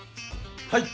はい！